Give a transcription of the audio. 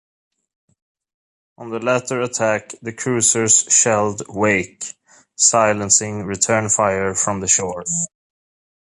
On the latter attack, the cruisers shelled Wake, silencing return fire from shore.